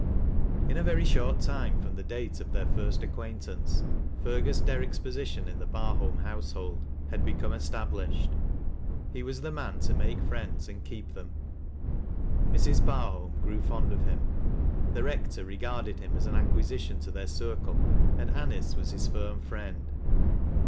In a very short time from the date of their first ac quaintance, Fergus Derrick's position in the Barholni houseliold had become establislied. lie was the man to make friends and keep them. Mrs. Earliolrn grew fond of him; the Rector regarded him as an acquisition to their circle, and Anice was his firm friend.